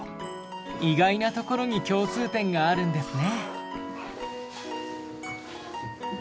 意外なところに共通点があるんですね。